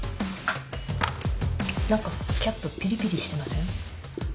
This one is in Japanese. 何かキャップピリピリしてません？